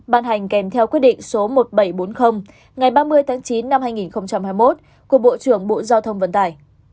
ban hành kèm theo quyết định số một nghìn bảy trăm bốn mươi ngày ba mươi tháng chín năm hai nghìn hai mươi một của bộ trưởng bộ giao thông vận tải